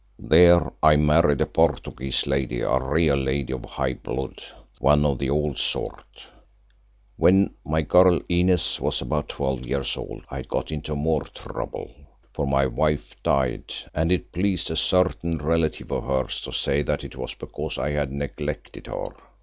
"There I married a Portuguese lady, a real lady of high blood, one of the old sort. When my girl, Inez, was about twelve years old I got into more trouble, for my wife died and it pleased a certain relative of hers to say that it was because I had neglected her.